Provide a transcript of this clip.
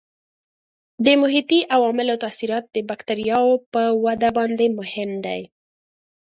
د محیطي عواملو تاثیرات د بکټریاوو په وده باندې مهم دي.